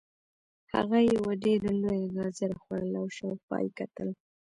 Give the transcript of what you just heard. هغه یوه ډیره لویه ګازره خوړله او شاوخوا یې کتل